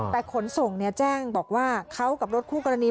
แต่ขนส่งแจ้งบอกว่าเขากับรถคู่กรณี